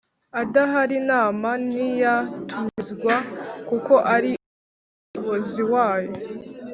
Adahari inama ntiya tumizwa kuko ari umuyobozi wayo